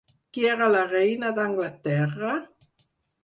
Qui era la reina d'Anglaterra?